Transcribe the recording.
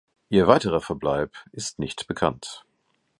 Ihr weiterer Verbleib ist nicht bekannt.